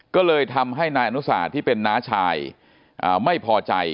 ก็เลยทำให้นายอนุสาที่เป็นน้าชายไม่พอใจ